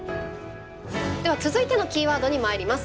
では続いてのキーワードにまいります。